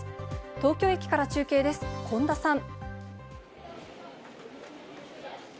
東京駅から中継です、今田さん。